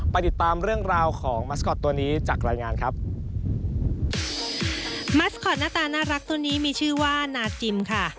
ติดตามเรื่องราวของมัสกอตตัวนี้จากรายงานครับมัสคอตหน้าตาน่ารักตัวนี้มีชื่อว่านาจิมค่ะ